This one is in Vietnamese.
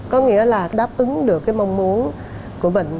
có nghĩa là đáp ứng được cái mong muốn của bệnh